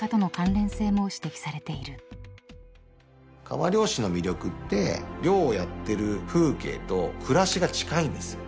川漁師の魅力って漁をやってる風景と暮らしが近いんですよ。